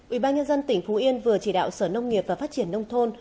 ủy ban nhân dân tỉnh phú yên vừa chỉ đạo sở nông nghiệp và phát triển nông thôn